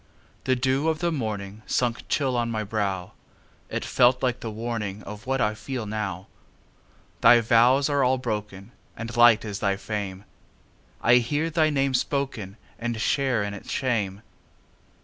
The dew of the morningSunk chill on my brow; It felt like the warningOf what I feel now. Thy vows are all broken, And light is thy fame:I hear thy name spokenAnd share in its shame.